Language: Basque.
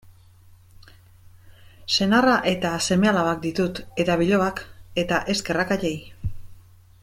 Senarra eta seme-alabak ditut, eta bilobak, eta eskerrak haiei.